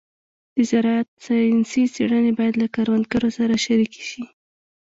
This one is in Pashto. د زراعت ساینسي څېړنې باید له کروندګرو سره شریکې شي.